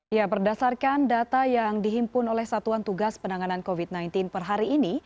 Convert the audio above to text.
ya berdasarkan data yang dihimpun oleh satuan tugas penanganan covid sembilan belas per hari ini